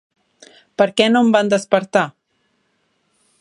Per què no em van despertar?